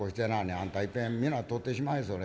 あんたいっぺん皆取ってしまいそれ。